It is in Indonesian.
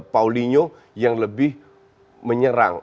poligno yang lebih menyerang